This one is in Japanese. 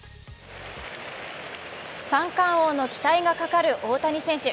三冠王の期待がかかる大谷選手。